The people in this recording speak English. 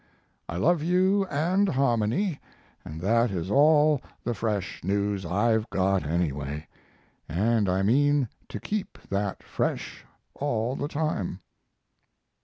I love you and Harmony, and that is all the fresh news I've got anyway. And I mean to keep that fresh all the time.